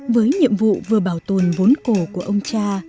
với nhiệm vụ vừa bảo tồn vốn cổ của ông cha